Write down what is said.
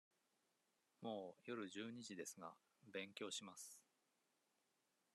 もう夜十二時ですが、勉強します。